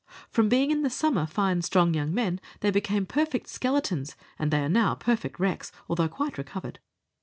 From being in the summer fine strong young men they became perfect skeletons, and they are now perfect wrecks, although quite recovered.